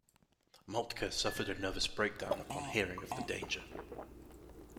Moltke suffered a nervous breakdown upon hearing of the danger.